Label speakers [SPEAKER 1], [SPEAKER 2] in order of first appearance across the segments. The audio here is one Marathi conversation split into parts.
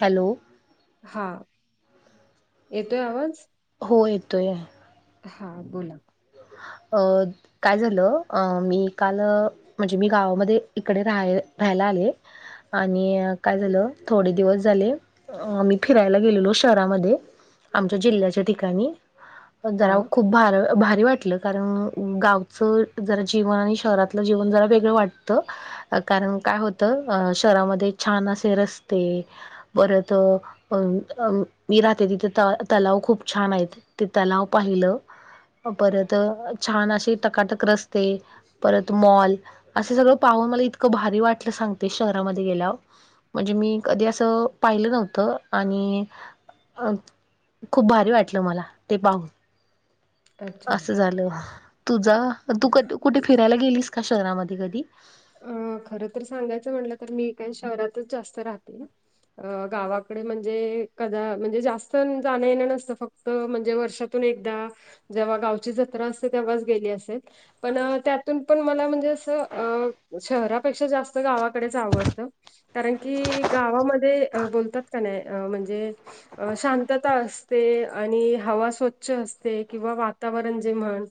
[SPEAKER 1] हॅलो.
[SPEAKER 2] हा येतोय आवाज
[SPEAKER 1] हो येतोया
[SPEAKER 2] हा बोला
[SPEAKER 1] अ काय झालं अ मी काल म्हणजे मी गावामध्ये इकडे राहाय राहायला आले. आणि काय झालं थोडे दिवस झाले. अ आम्ही फिरायला गेलेलो शहरामध्ये आमच्या जिल्ह्याच्या ठिकाणी
[SPEAKER 2] हा
[SPEAKER 1] जरा खूप भार भारी वाट टल कार गावच जरा जिवन आणि शहरातलं जिवन जरा वेगळं वाटत. कारण काय होतं अ शहरामध्ये छान असे रस्ते परत अ अ अ मी राहते तिथे त तलाव खूप छान आहेत. ते तलाव पाहिलं परत छान असे टकाटक रस्ते परत मॉल अस सगळं पाहून मला इतकं भारी वाटलं सांगते शहरामध्ये गेल्यावर म्हणजे मी कधी असं पाहिलं नव्हतं आणि अ खूप भारी वाटलं मला ते पाहून
[SPEAKER 2] अच्छा.
[SPEAKER 1] असं झालं तुझा तू कुटे फिरायला गेलीस का शहरामध्ये कधी
[SPEAKER 2] अं खर तर सांगायचं म्हटलं तर मी काय शहरातच जास्त राहते. अ गावाकडे म्हणजे कदा म्हणजे जास्त जाणं येणं नसतं फक त म्हणजे वर्षातून एकदा जेव्हा गावची जत्रा असते तेव्हाच गेली असेल. पण त्यातून पण मला म्हणजे असं अ शहरापेक्षा जास्त गावाकडेच आवडतं. कारण की गावामध्ये बोलतात का नाही अ म्हणजे अ शांतता असते आणि हवा स्वच्छ असते किंवा वातावरण जे म्हण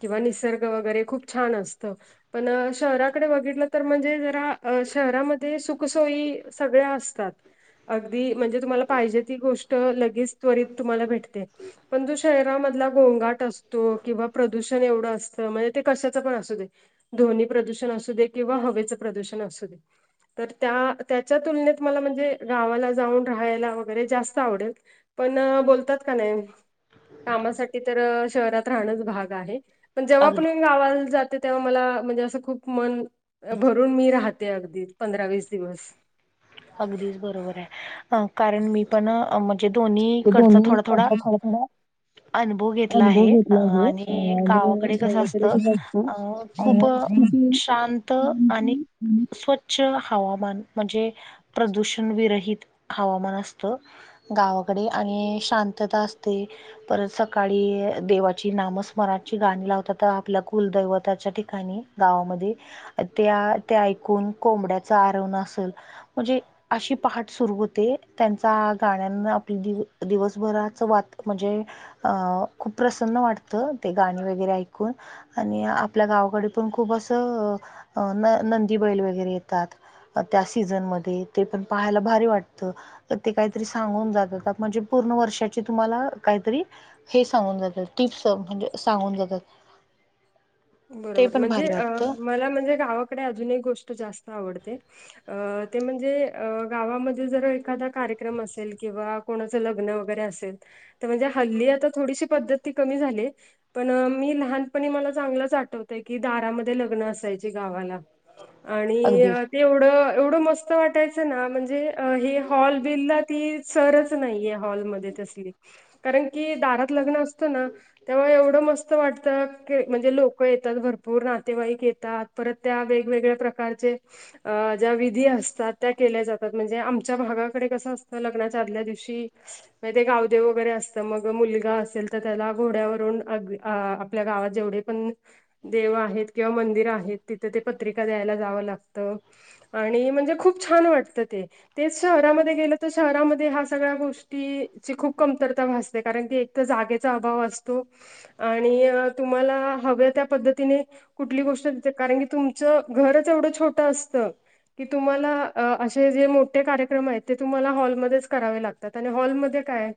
[SPEAKER 2] किंवा निसर्ग वगैरे खूप छान असतं. पण शहराकडे बघितलं तर म्हणजे जरा शहरामध्ये सुखसोयी सगळ्या असतात. अगदी म्हणजे तुम्हाला पाहिजे ती गोष्ट लगेच त्वरित तुम्हाला भेटते. पण जो शेहरामधला गोंगाट असतो किंवा प्रदूषण एवढं अस त म्हणजे ते कशाच पण असूदे ध्वनी प्रदूषण असू दे किंवा हवेचं प्रदूषण असू दे तर त्या त्याच्या तुलनेत मला म्हणजे गावाला जाऊन राहायला वगैरे जास्त आवडेल. पण बोलतात का नाही कामासाठी तर शहरात राहणंच भाग आहे. पण जेव्हा
[SPEAKER 1] अगदी
[SPEAKER 2] पण मी गावाला जाते तेव्हा मला म्हणजे असं खूप मन भरून मी रहा ते अगदी पंधरा वीस दिवस
[SPEAKER 1] अगदीच बरोबरय अ कारण मी पण अ जे दोन्ही
[SPEAKER 2] ते
[SPEAKER 1] कडच
[SPEAKER 2] दोन्ही
[SPEAKER 1] थोडा थोडा
[SPEAKER 2] कसा थोडा
[SPEAKER 1] अनुभव घेतला
[SPEAKER 2] अनुभव
[SPEAKER 1] आहे अ
[SPEAKER 2] घेतला आहे
[SPEAKER 1] आणि गावाकडे कसं
[SPEAKER 2] जेव्हा
[SPEAKER 1] असत
[SPEAKER 2] तरी असतो.
[SPEAKER 1] अ खूप शांत आणि स्वच्छ हवामान म्हणजे प्रदूषण विरहित हवामान असत. गावाकडे आणि शांतता असते. परत सकाळी देवाची नामस्मराची गाणी लावतात आपल्या कुलदैवताच्या ठिकाणी गावामध्ये त्या त्या ऐकून कोंबड्याच आरवण असल म्हणजे अशी पहाट सुरू होते त्यांचा गाण्यांना आपली दिव दिवसभराच वात म्हणजे अं खूप प्रसन्न वाटतं ते गाणी वगैरे ऐकून आणि आपल्या गावाकडे पण खूप अस त न नंदी बैल वगैरे येतात त्या सीझनमध्ये ते पण पाहायला भारी वाटत तर ते काहीतरी सांगून जातात म्हणजे पूर्ण वर्षाची तुम्हाला काहीतरी हे सांगून जातात टिप्स म्हणजे सांगून जातात. ते
[SPEAKER 2] बरोबर
[SPEAKER 1] पण
[SPEAKER 2] म्हणजे
[SPEAKER 1] भारी
[SPEAKER 2] अ
[SPEAKER 1] वाटतं
[SPEAKER 2] मला म्हणजे गावाकडे अजून एक गोष्ट जास्त आवडते. अ ते म्हणजे अ गावामध्ये जर एखादा कार्यक्रम असेल किंवा कोणाच लग्न वगैरे असेल तर म्हणजे हल्ली आता थोडीशी पद्धती ती कमी झालीये. पण मी लहानपणी मला चांगलंच आठवतय की दारामध्ये लग्न असायची गावाला आणि
[SPEAKER 1] अगदीच
[SPEAKER 2] अ ते एवढं एवढं मस्त वाटायचं ना म्हणजे हे हॉल बिल्ला ती सरच- नाहीये हॉल मध्ये तसली कारण की दारात लग्नं असत ना तेव्हा एवढं मस्त वाटतं के म्हणजे लोकं येतात भरपूर नातेवाईक येतात. परत त्या वेगवेगळ्या प्रकारचे अ ज्या विधी असतात त्या केल्या जातात. म्हणजे आमच्या भागाकडे कसं असतं, लग्नाच्या आदल्या दिवश ठी म ते गावदेव वगैरे असत मग मुलगा असेल तर त्याला घोड्यावरून अगदी आ आपल्या गावात जेवढे पण देव आहेत किंवा मंदिर आहेत तिथं ते पत्रिका द्यायला जावं लागतं. आणि म्हणजे खूप छान वाटत ते तेच शहरामध्ये गेलं तर शहरामध्ये हा सगळ्या गोष्टी ची खूप कमतरता भासते कारण की एकत जागेचा अभाव असतो. आणि तुम्हाला हव्या त्या पद्धतीने कुठली गोष्ट तिथं कारण की तुमचं घरच एवढं छोटं असतं की तुम्हाला अ असे जे मोठे कार्यक्रम आहेत ते तुम्हाला हॉलमध्येच करावे लागतात आणि हॉलमध्ये काय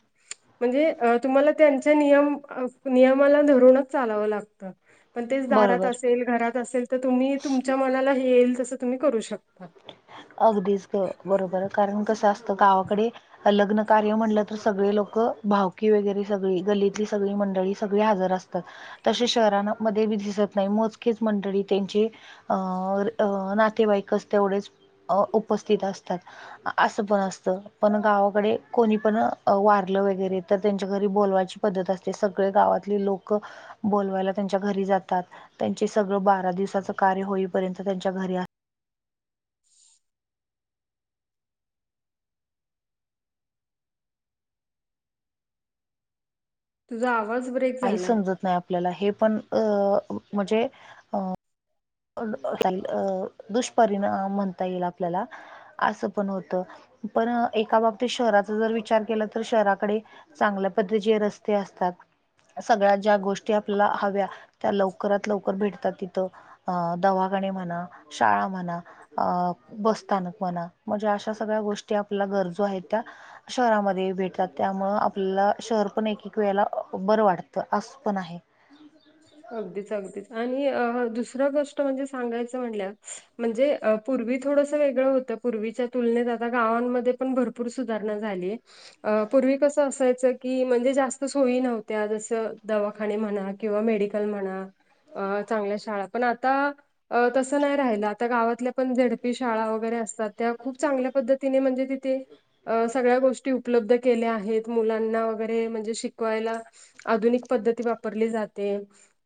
[SPEAKER 2] म्हणजे अ तुम्हाला त्यांच्या नियम अ नियमाला धरूनच चालावं लागतं. पण तेच
[SPEAKER 1] बरोबर
[SPEAKER 2] दारात असेल, घरात असेल, तर तुम्ही तुमच्या मनाला हे येईल तसं तुम्ही करू शकता.
[SPEAKER 1] अगदीच ग बरोबर कारण कसं असतं गावाकडे लग्न कार्य म्हणलं तर सगळे लोक भावकी वगैरे सगळी गल्लीतली सगळी मंडळी सगळे हजर असता तसे शहरांनं मध्ये बी दिसत नाय मोजकेच मंडळी त्यांचे अ अ नातेवाईकच तेवढेच अ उपस्थित असतात. अ असं पण असत पण गावाकडे कोणी पण वारलं वगैरे त त्यांच्या घरी बोलवाची पद्धत असते सगळे गावातली लोक बोलवायला त्यांच्या घरी जातात त्यांचे सगळं बारा दिवसाच कार्य होईपर्यंत त्यांच्या घरी
[SPEAKER 2] तुझा आवाज ब्रेक
[SPEAKER 1] काहीच
[SPEAKER 2] झालाय
[SPEAKER 1] समजत नाय आपल्याला हे पण अ मजे अ [unintelligible] अ दुष्परिणाम म्हणता येईल आपल्याला असं पण होत पण एका बाबतीत शहराचा जर विचार केला तर शहराकडे चांगल्या पद्धतीचे रस्ते असतात. सगळ्या ज्या गोष्टी आपल्याला हव्या त्या लवकरात लवकर भेटतात तिथं. अ दवाखाने म्हणा शाळा म्हणा अ बस स्थानक म्हणा म्हणजे अशा सगळ्या गोष्टी आपल्या गरजू आहेत त्या शहरामध्ये भेटातात. त्यामुळं आपल्याला शहर पण एक एक वेळेला बरं वाडतं आस पण आहे.
[SPEAKER 2] अगदीच अगदीच आणि अ दुसर गोष्ट म्हणजे सांगायचं म्हणल्यावर म्हणजे अ पूर्वी थोडंसं वेगळं होतं पूर्वीच्या तुलनेत आता गावांमध्ये पण भर पूर सुधारणा झालीये. अ पूर्वी कसं असायचं की म्हणजे जास्त सोयी नव्हत्या जस दवाखाने म्हणा किंवा मेडिकल म्हणा अ चांगल्या शाळा पण आता अ तसं नाय राहिलं आता गावातल्या पण झेड पी शाळा वगैरे असतात त्या खूप चांगल्या पद्धतीने म्हणजे तिथे अ सगळ्या गोष्टी उपलब्ध केल्या आहेत मुलांना वगैरे म्हणजे शिकवायला आधुनिक पद्धती वापरली जाते.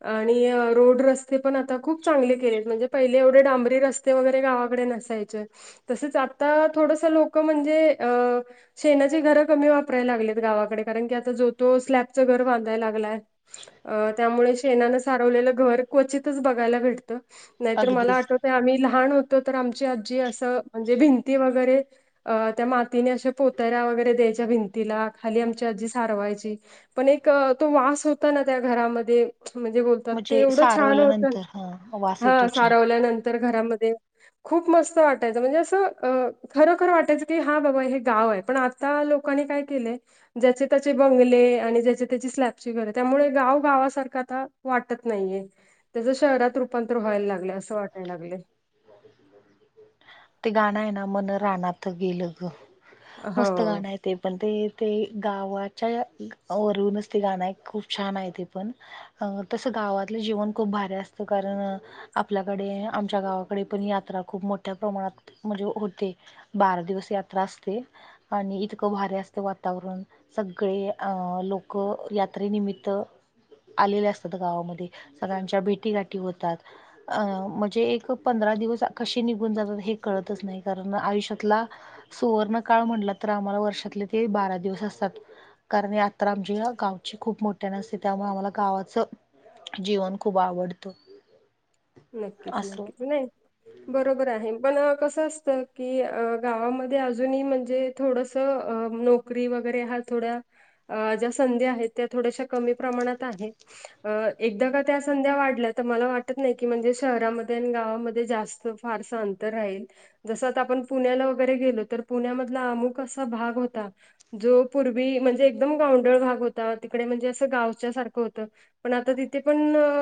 [SPEAKER 2] आणि रोड रस्ते पण आता खूप चांगले केलेत म्हणजे पहिले एवढे डांबरी रस् स्ते वगैरे गावाकडे नसायचे तसेच आता थोडस लोक म्हणजे अ शेणाची घरं कमी वापरायला लागलेत गावाकडे कारण की आता जो तो स्लॅबचं घर बांधाय लागलाय. अ त्यामुळे शेणानं सारवलेलं घर क्वचितच बघायला भेटतं नायतर मला
[SPEAKER 1] अगदीच
[SPEAKER 2] आठवत ते आम्ही लहान होतो तर आमची आजी असं म्हणजे भिंती वगैरे अ त्या मातीने अशा पोतऱ्या वगैरे द्यायच्या भिं तिला खाली आमच्या आजी सारवायची पण एक तो वास होता ना, त्या घरामध्ये म्हणजे बोलतात ते
[SPEAKER 1] म्हणजे
[SPEAKER 2] एवढं छान होत.
[SPEAKER 1] सारवल्यानंतर हा वास येतो
[SPEAKER 2] हा
[SPEAKER 1] छान.
[SPEAKER 2] सारवल्यानंतर तर घरामध्ये खूप मस्त वाटायचं. म्हणजे असं खरोखर वाटायचं की हा बाबा हे गाव आहे. पण आ आता लोकांनी काय केलंय, ज्याचे त्याचे बंगले आणि ज्याचे त्याची स्लॅपची घर. त्यामुळे गाव गावासारखं आता वाटत नाहीये. त्याचं शहरात रूपांतर व्हायला लागलय. अस वाटाय लागलय
[SPEAKER 1] ते गाणं आहे ना. मन रानाात गेल ग. मस्त
[SPEAKER 2] हो
[SPEAKER 1] गाणं आहेत. ते पण ते ते गावाच्या वरूनच ते गाणं आहे खूप छान आहे ते पण. अ तस गावातलं जीवन खूप भारी असत. कारण आपल्याकडे आमच्या गावा इकडे पण यात्रा खूप मोठ्या प्रमाणात म्हणजे होते. बारा दिवस यात्रा असते. आणि इतक भारी असत वातावरण. सगळे अं लोक यात्रेनिमित्त आलेले असतात गावामध्ये. सगळ्यांच्या भेटी गाठी होतात. अ म्हणजे एक पंधरा दिवस कशी निघून जातात हे कळतच नाही. कारण आयुष्यातला सुवर्ण काळ म्हटला तर आम्हाला वर्षातले ते बारा दिवस असतात. कारण यात्रा आमची गावची खूप मोठ्यान असते. त्यामुळे आम्हाला गावाच जीवन खूप आवडत.
[SPEAKER 2] नक्कीच नक्कीच नाही बरोबर आहे. पण कस असत कि गावामध्ये अजून म्हणजे थोडस नोकरी वगैरे हा थोड्या अ ज्या संधी आहेत. त्या थोड्याश्या कमी प्रमाणात आहेत. अ एकदा का त्या संध्या वाढल्या तर मला वाटत नाही की म्हणजे शहरामध्ये आणि गावामध्ये जास्त फारस अंतर राहील. जसं आता आपण पुण्याला वगैरे गेलो, तर पुण्यामधला अमुक असा भाग होता. जो पूर्वी म्हणजे एकदम गांवडळ भाग होता. तिकडे म्हणजे असं गावच्या सारखं होतं. पण आता तिथे पण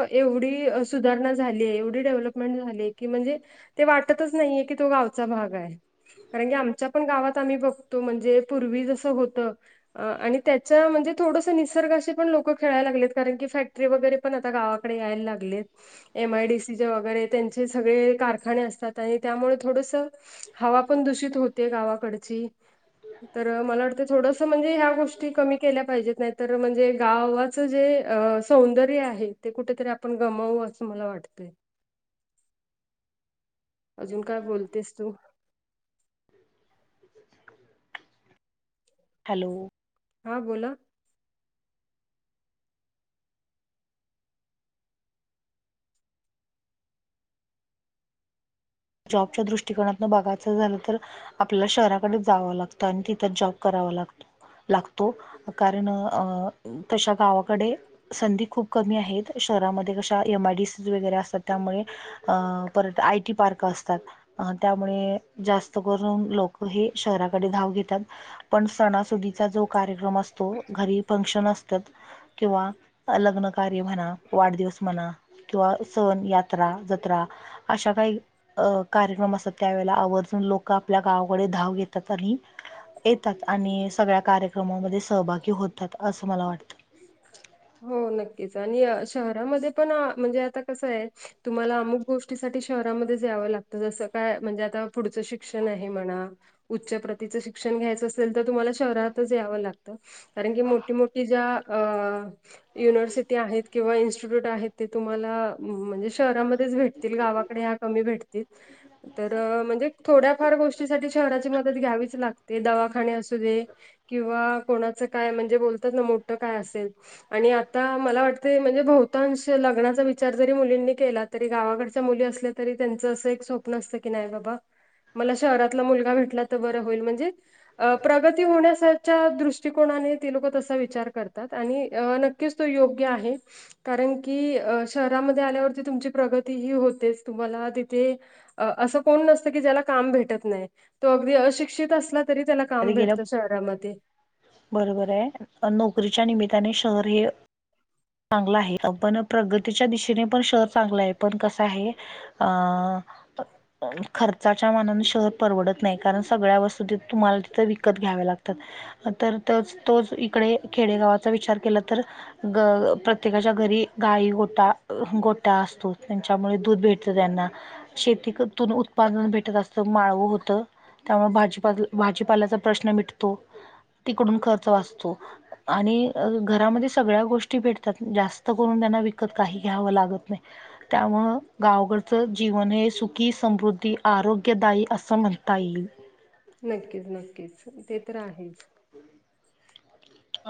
[SPEAKER 2] एवढी सुधारणा झालीय. एवढी डेव्हलपमेंट झाली की, म्हणजे ते वाटतच नाहीये की तो गावचा भाग आहे. कारण की आमच्या पण गावात आम्ही बघतो. म्हणजे पूर्वी जसं होतं. आणि त्याच्या म्हणजे थोडस निसर्गाशी पण लोक खेळायला लागलेत. कारण की फॅक्टरी वगैरे पण आता गावाकड यायला लागलेत. एम आय डी सीचे वैगरे त्यांचे सगळे कारखाने असतात. आणि त्यामुळे थोडस हवा पण दूषित हो ते गावाकडची तर मला वाटते थोडस म्हणजे ह्या गोष्टी कमी केल्या पाहिजेत. नाही तर म्हणजे गावात जे सौंदर्य आहे. ते कुठेतरी आपण गमावू. असं मला वाटतंय अजून काय बोलतेस तू
[SPEAKER 1] हॅलो
[SPEAKER 2] हा बोला.
[SPEAKER 1] जॉबच्या दृष्टीकोनातुन बघायच झाल तर आपल्याला शहराकडेच जाव लागत आणि तिथच जॉब कराव लागत. लागतो. कारण अ तशा गावाकडे संधी खूप कमी आहेत. शहरामध्ये कशा एम आय डी सी वगैरे असतात. त्यामुळे अ परत आय टी पार्क असतात. त्यामुळे जास्त करून लोक हे शहराकडे धाव घेतात. पण सणासुदीचा जो कार्यक्रम असतो, घरी फंक्शन असतात. किंवा लग्न कार्य म्हणा वाढदिवस म्हणा किंवा सण, यात्रा, जत्रा अशा काही अ कार्यक्रम असतात, त्यावेळे आवर्जून लोक आपल्या गावाकडे धाव घेतात. आणि येतात आणि सगळ्या कार्यक्रममध्ये सहभागी होतात. असं मला वाटत.
[SPEAKER 2] हो नक्कीच. आणि शहरामध्ये पण म्हणजे आता कसं आहे तुम्हाला अमुक गोष्टीसाठी शहरामध्येच यावं लागत. जसं काय म्हणजे आता पुढचं शिक्षण आहे म्हणा. उच्च प्रतीचं शिक्षण घ्यायचं असे तर तुम्हाला शहरातच यावं लागतं कारण की मोठी मोठी ज्या अ युनिव्हर्सिटी आहेत किंवा इन्स्टिट्यूट आहेत ते तुम्हाला म्हणजे शहरामध्येच भेट तील गावाकडे ह्या कमी भेटतील तर म्हणजे थोड्याफार गोष्टीसाठी शहराची मदत घ्यावीच लागते दवाखाने असू दे किंवा कोणाचं काय म्हणजे बोलतात ना मोठ काय असेल आणि आता मला वाटते म्हणजे बहुतांश लग्नाचा विचार जरी मुलींनी केलात तरी गावाकडच्या मुली असल्या तरी त्यांचं असं एक स्वप्न असतं की नाही बाबा, मला शहरातला मुलगा भेटला तर बरं होईल म्हणजे अ प्रगती होण्या दृष्टी त्रिकोणाने ते लोक तसा विचार करतात आणि नक्कीच तो योग्य आहे. कारण की अ शहरामध्ये आल्यावरती तुमची प्रगती ही होतेच तुम्हाला तिथे असं कोण नसतं की ज्याला काम भेटत नाही तो अगदी अशिक्षित असला तरी त्याला काम
[SPEAKER 1] तरी गेलं
[SPEAKER 2] भेटतं शहरामध्ये
[SPEAKER 1] बरोबर आहे नोकरीच्या निमित्ताने शहर हे चांगला आहे पण प्रगतीच्या दिशेने पण शहर चांगलं आहे पण कसं आहे अ खर्चाच्या मनान शहर परवडत नाही कारण सगळ्या वस्तू तुम्हाला तिथं विकत घ्यावे लागतात तर तिथंच तोच इकडे खेडेगावाचा विचार केला तर ग प्रत्येकाच्या घरी गाई गोटा गोटा असतो त्यांच्यामुळे दूध भेटत त्यांना शेतीतून उत्पादन भेटत असत माळव होतं त्यामुळे भाजी भाजीपाल्याचा प्रश्न मिटतो तिकडून खर्च वाचतो आणि घरामध्ये सगळ्या गोष्टी भेटतात जास्त करून त्यांना विकत काही घ्यावं लागत नाही त्यामुळे गावकडच जीवन हे सुखी समृद्धी आरोग्य ग्यदायी असं म्हणता येईल
[SPEAKER 2] नक्कीच नक्कीच ते तर आहेच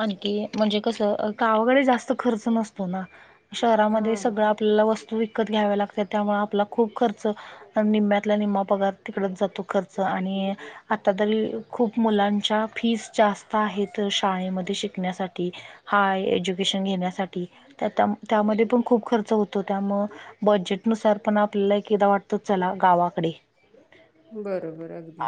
[SPEAKER 1] आणखी म्हणजे कसं गवाकडे जास्त खर्च नसतो ना शहरामध्ये
[SPEAKER 2] हा
[SPEAKER 1] सगळ आपल्याला वस्तू विकत घ्याव्या लागत्यात त्यामुळे आपला खूप खर्च निम्म्यातल्या निम्मा पगार तिकडच जातो खर्च आणि आता तरी खूप मुलांच्या फीज जास्त आहेत शाळेमध्ये शिकण्यासाठी हाय एज्युकेशन घेण्यासाठी त्या त्यामध्ये पण खूप खर्च होतो त्यामुळे बजेटनुसार पण आपल्याला एकदा वाटत तो चला गावाकडे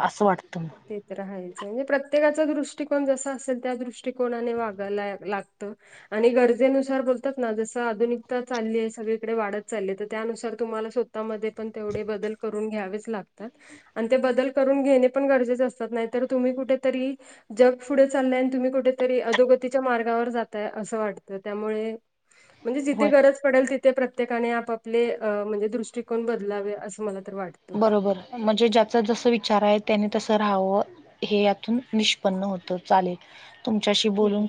[SPEAKER 1] असं वाटतं मग
[SPEAKER 2] राहायचं म्हणजे प्रत्येकाचा दृष्टिकोन जसा असेल त्या दृष्टिकोनाने वागायला लागतं आणि गरजेनुसार बोलतात ना जसं आधुनिकता चालली आहे सगळीकडे वाढत चाललीय तर त्यानुसार तुम्हाला हातामध्ये पण तेवढे बदल करून घ्यावेच लागतात आणि ते बदल करून घेणे पण गरजेचे असतात नाहीत तर तुम्ही कुठेतरी जग पुढे चाललंय आणि तुम्ही कुठेतरी अधोगतीच्या मार्गावर जातय असं वाटतं त्यामुळे
[SPEAKER 1] ह [inaudible]
[SPEAKER 2] म्हणजे जिथे गरज पडेल तिथे प्रत्येकाने आपाले म्हणजे दृष्टिकोन बदल लावे असं मला तर वाटत
[SPEAKER 1] बरोबर म्हणजे ज्याच जस विचार आहे त्यांनी तसं राहावं हे यातून निष्पन्न होत चालेल तुमच्याशी बोलून